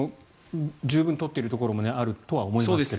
十分取っているところもあるとは思いますが。